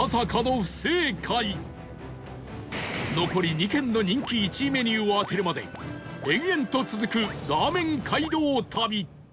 残り２軒の人気１位メニューを当てるまで延々と続くラーメン街道旅